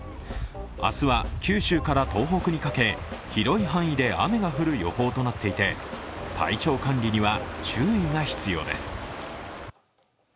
明日は九州から東北にかけ広い範囲で雨が降る予報となっていて体調管理には注意が必要です。